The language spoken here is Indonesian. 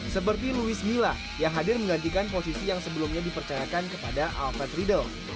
seperti luis mila yang hadir menggantikan posisi yang sebelumnya dipercayakan kepada alfred riedel